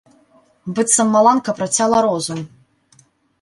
Быццам маланка працяла розум.